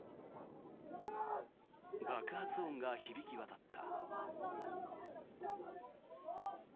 爆発音が響き渡った。